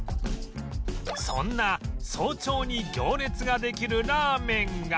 そんな早朝に行列ができるラーメンが